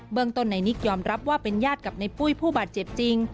เมืองต้นในนิกยอมรับว่าเป็นญาติกับในปุ้ยผู้บาดเจ็บจริง